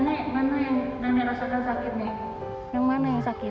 nenek nenek rasakan sakit nih yang mana yang sakit